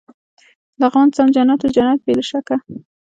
لغمان سم جنت و، جنت بې له شکه.